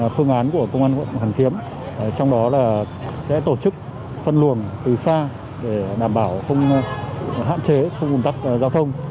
phương án của công an quận hoàn kiếm trong đó là sẽ tổ chức phân luồng từ xa để đảm bảo không hạn chế không ủn tắc giao thông